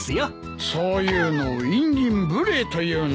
そういうのをいんぎん無礼と言うんだ。